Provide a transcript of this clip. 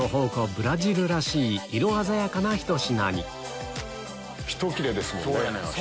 ブラジルらしい色鮮やかなひと品にひと切れですもんね。